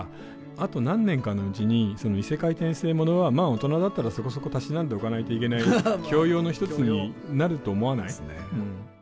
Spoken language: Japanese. あと何年かのうちに異世界転生モノはまあ大人だったらそこそこたしなんでおかないといけない教養の一つになると思わない？